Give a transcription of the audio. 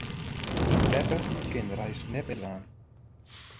Beppe kin de reis net mear dwaan.